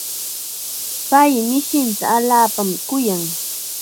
Pay mishinta allaapam kuyan.